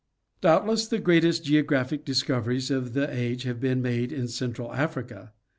Doubtless the greatest geographic discoveries of the age have been made in central Africa.